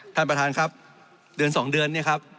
ท่านประธานครับเดือน๒เดือนเนี่ยครับ